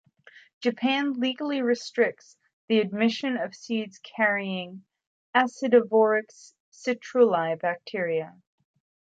Japan legally restricts the admission of seeds carrying "Acidivorax citrulli" bacteria.